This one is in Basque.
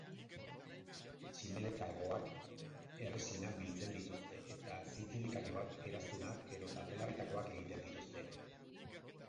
Tximeleta hegoak erretsinan biltzen dituzte eta zintzilikailoak, eraztunak edota belarritakoak egiten dituzte.